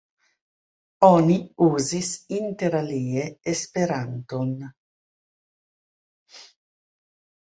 Oni uzis interalie esperanton.